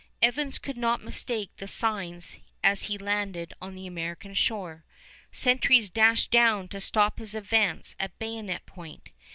Evans could not mistake the signs as he landed on the American shore. Sentries dashed down to stop his advance at bayonet point.